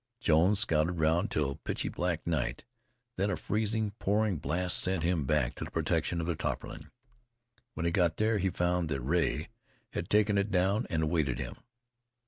Jones scouted round till pitchy black night, when a freezing, pouring blast sent him back to the protection of the tarpaulin. When he got there he found that Rea had taken it down and awaited him.